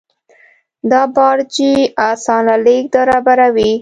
دا بارچي اسانه لېږد برابروي.